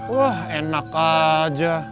wah enak aja